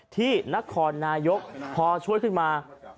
ที่นครนายกพอช่วยขึ้นมา